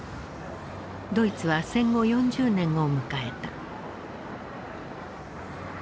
ドイツは戦後４０年を迎えた。